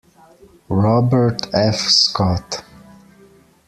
Robert F. Scott.